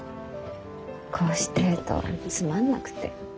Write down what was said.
こうしてるとつまんなくて。